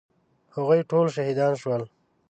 هغوی ټول شهیدان شول.